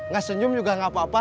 gak senyum juga gak apa apa